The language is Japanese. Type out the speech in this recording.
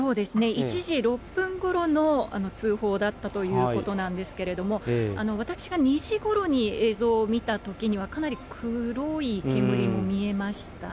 １時６分ごろの通報だったということなんですけれども、私が２時ごろに映像を見たときには、かなり黒い煙も見えました。